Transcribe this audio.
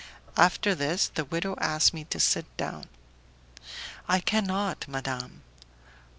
After this the widow asked me to sit down. "I cannot, Madame."